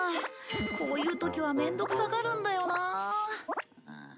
こういう時は面倒くさがるんだよなあ。